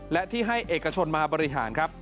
และที่ให้เอกชนมาบริหารครับ